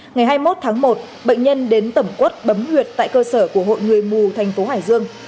ngày hai mươi một tháng một bệnh nhân đến tẩm quất bấm nguyệt tại cơ sở của hội người mù thành phố hải dương